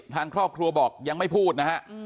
ทางครอบครัวบอกยังไม่พูดนะฮะ